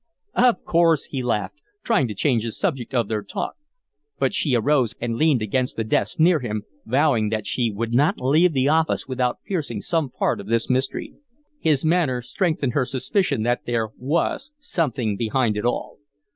"Of course," he laughed, trying to change the subject of their talk; but she arose and leaned against the desk near him, vowing that she would not leave the office without piercing some part of this mystery. His manner strengthened her suspicion that there WAS something behind it all.